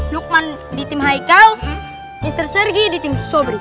lukman di tim haikal inter sergi di tim sobri